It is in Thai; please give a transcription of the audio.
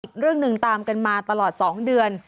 อีกเรื่องหนึ่งตามกันมาตลอด๒เดือน